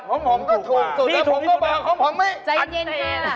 คอมหอมก็ถูกน่ะปวงกูมไว้คอมหอมไม่อัจเจน